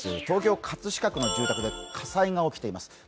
東京・葛飾区の住宅で火災が起きています。